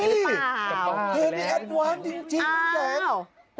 เอี่ยยยเธอนี้แอดว้างจริงน้องแจ๊ะ